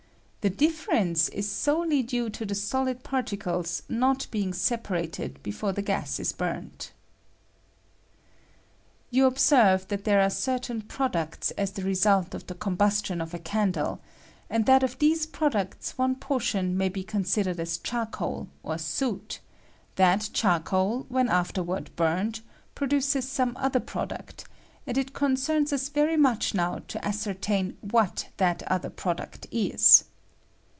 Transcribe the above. The difference is solely due to the solid particles jiot being separated before the gas is burnt. You observe that there are certain products as the result of the combustion of a candle, and that of these products one portion may be con sidered as charcoal, or soot; that charcoal, when afterward burnt, produces some other product ; ■Wid it concerns us very much now to ascertain what that other product is.